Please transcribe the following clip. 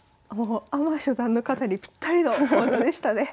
アマ初段の方にぴったりの講座でしたね。